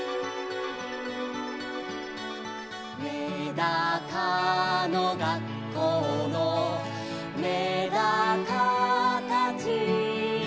「めだかのがっこうのめだかたち」